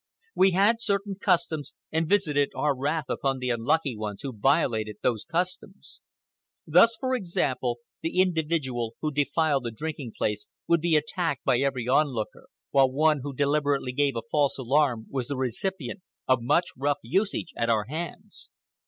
We had certain customs and visited our wrath upon the unlucky ones who violated those customs. Thus, for example, the individual who defiled a drinking place would be attacked by every onlooker, while one who deliberately gave a false alarm was the recipient of much rough usage at our hands.